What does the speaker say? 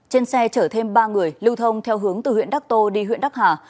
trên xe chở thêm ba người lưu thông theo hướng từ huyện đắc tô đi huyện đắc hà